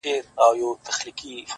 • چي ته نه يې زما په ژونــــد كــــــي؛